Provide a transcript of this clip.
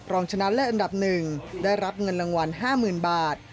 รองชนะและอันดับ๑ได้รับเงินรางวัล๕๐๐๐บาท